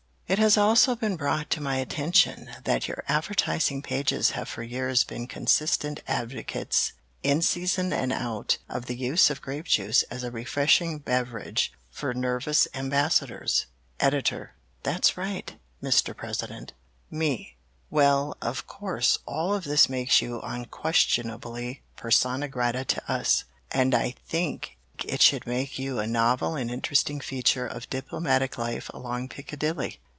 It has also been brought to my attention that your advertising pages have for years been consistent advocates, in season and out, of the use of grape juice as a refreshing beverage for nervous Ambassadors. "Editor That's right, Mr. President. "Me Well, of course, all of this makes you unquestionably persona grata to us, and I think it should make you a novel and interesting feature of diplomatic life along Piccadilly.